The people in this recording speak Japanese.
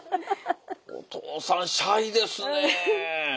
お父さんシャイですねえ。